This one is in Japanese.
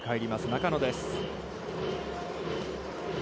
中野です。